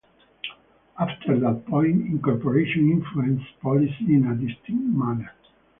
After that point, incorporation influences policy in a distinct manner.